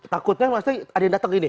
takutnya maksudnya ada yang datang gini